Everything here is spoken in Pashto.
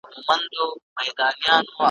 پنډ اوربوز بدرنګه زامه یې لرله ,